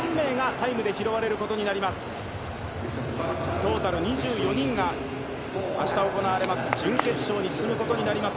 トータル２４人が明日、行われます準決勝に進むことになります。